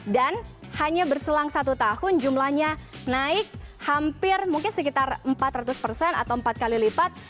dan hanya berselang satu tahun jumlahnya naik hampir mungkin sekitar empat ratus persen atau empat kali lipat